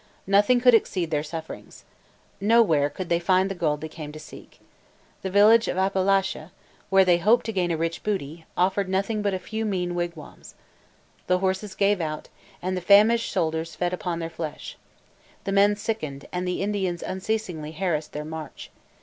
Nothing could exceed their sufferings. Nowhere could they find the gold they came to seek. The village of Appalache, where they hoped to gain a rich booty, offered nothing but a few mean wigwams. The horses gave out, and the famished soldiers fed upon their flesh. The men sickened, and the Indians unceasingly harassed their march.